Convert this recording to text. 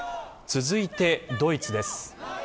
続いてドイツです。